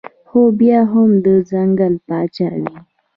خو بيا هم د ځنګل باچا وي